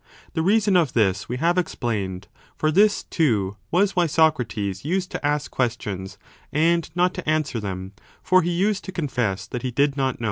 The reason of this we have explained ; a for this, too, was why Socrates used to ask questions and not to answer them ; for he used to confess that he did not know.